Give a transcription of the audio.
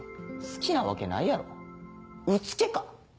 好きなわけないやろうつけか！